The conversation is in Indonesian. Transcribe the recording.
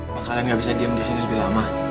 maka kalian gak bisa diam disini lebih lama